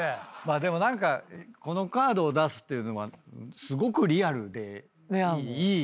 でも何かこのカードを出すっていうのがすごくリアルでいいね。